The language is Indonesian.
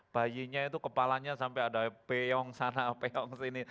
bayinya itu kepalanya sampai ada peyong sana peyong sini